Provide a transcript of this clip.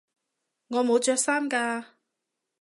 我冇着衫㗎